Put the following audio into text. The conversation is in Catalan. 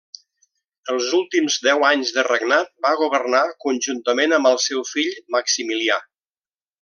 Els últims deu anys de regnat va governar conjuntament amb el seu fill Maximilià.